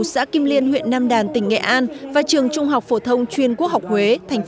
xã kim liên huyện nam đàn tỉnh nghệ an và trường trung học phổ thông chuyên quốc học huế